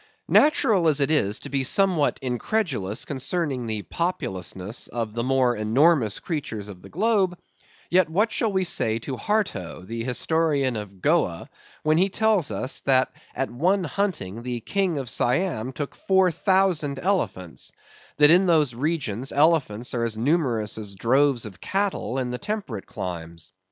Natural as it is to be somewhat incredulous concerning the populousness of the more enormous creatures of the globe, yet what shall we say to Harto, the historian of Goa, when he tells us that at one hunting the King of Siam took 4,000 elephants; that in those regions elephants are numerous as droves of cattle in the temperate climes.